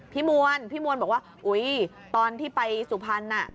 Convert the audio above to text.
พี่มวลพี่มวลบอกว่าอุ๊ยตอนที่ไปสุพรรณน่ะ